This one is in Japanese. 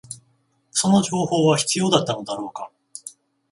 その情報は必要だったのだろうか